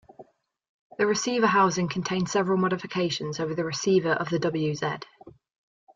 The receiver housing contains several modifications over the receiver of the wz.